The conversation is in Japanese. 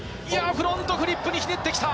フロントフリップにひねってきた！